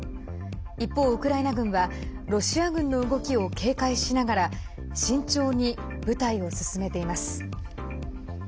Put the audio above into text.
一方、ウクライナ軍はロシア軍の動きを警戒しながら慎重に部隊を進めています。